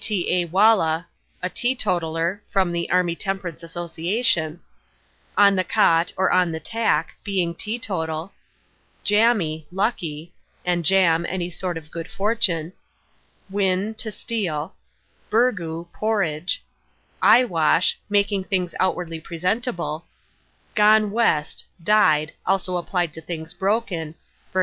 T.A. wallah," a teetotaller (from the Army Temperance Association); "on the cot" or "on the tack," being teetotal; "jammy," lucky (and "jam," any sort of good fortune); "win," to steal; "burgoo," porridge; "eye wash," making things outwardly presentable; "gone west," died (also applied to things broken, _e.